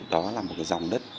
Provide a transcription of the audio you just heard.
đó là một cái dòng đất